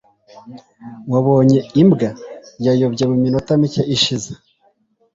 wabonye imbwa? yayobye mu minota mike ishize